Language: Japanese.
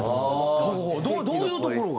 どういうところが？